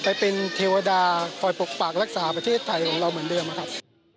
ไปเป็นเทวดาคอยปกปักรักษาประเทศไทยของเราเหมือนเดิมนะครับ